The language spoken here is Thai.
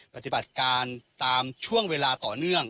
ปฏิบัติการตามช่วงเวลาต่อเนื่อง